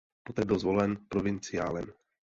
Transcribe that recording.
Poté byl zvolen provinciálem.